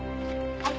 はい！